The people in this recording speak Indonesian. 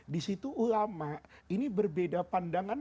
disitu ulama ini berbeda pandangan